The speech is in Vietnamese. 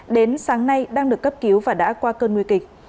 đến sáng nay đang được cấp cứu và đã qua cơn nguy kịch